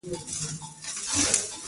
اوږده کتنه وه.